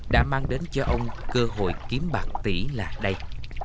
đã mang đến cho ông cơ hội kiếm bạc tỷ là đây